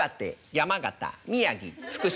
山形宮城福島。